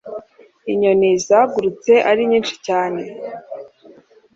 inyoni zagurutse ari nyinshi cyane